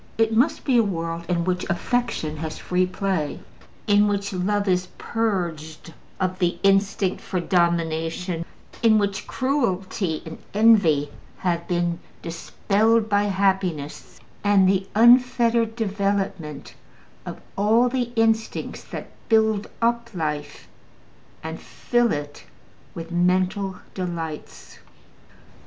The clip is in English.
It must be a world in which affection has free play, in which love is purged of the instinct for domination, in which cruelty and envy have been dispelled by happiness and the unfettered development of all the instincts that build up life and fill it with mental delights.